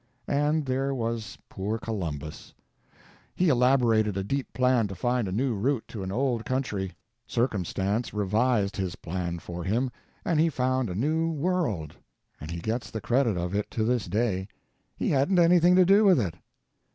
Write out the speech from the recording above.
And there was poor Columbus. He elaborated a deep plan to find a new route to an old country. Circumstance revised his plan for him, and he found a new world. And _he _gets the credit of it to this day. He hadn't anything to do with it.